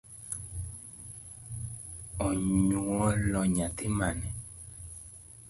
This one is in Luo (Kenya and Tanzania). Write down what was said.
Onyuolo nyathi mane?